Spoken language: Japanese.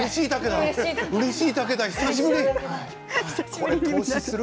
うれしいたけ久しぶり。